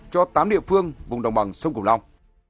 cho tám địa phương vùng đồng bằng sông cửu long